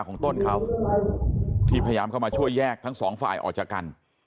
ของต้นเขาที่พยายามเข้ามาช่วยแยกทั้งสองฝ่ายออกจากกัน